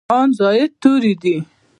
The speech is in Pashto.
ان زاید توري دي.